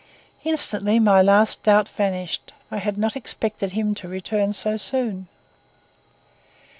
Instantly my last doubt vanished. I had not expected him to return so soon.